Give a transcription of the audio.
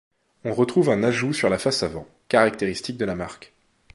On retrouve un ajout sur la face avant, caractéristique de la marque.